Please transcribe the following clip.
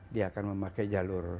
dia akan memakai jalur